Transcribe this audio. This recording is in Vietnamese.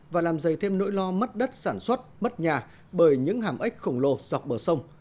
và làm dày thêm nỗi lo mất đất sản xuất mất nhà bởi những hàm ếch khổng lồ dọc bờ sông